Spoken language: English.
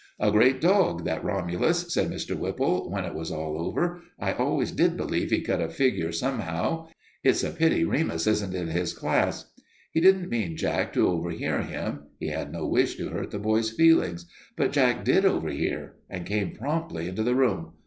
"A great dog, that Romulus," said Mr. Whipple, when it was all over. "I always did believe he'd cut a figure somehow. It's a pity Remus isn't in his class." He didn't mean Jack to overhear him; he had no wish to hurt the boy's feelings. But Jack did overhear and came promptly into the room.